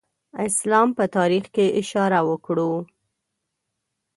اسلام په تاریخ کې اشاره وکړو.